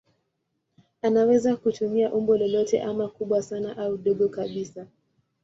Anaweza kutumia umbo lolote ama kubwa sana au dogo kabisa.